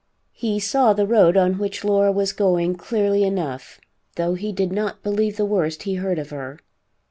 He saw the road on which Laura was going clearly enough, though he did not believe the worst he heard of her.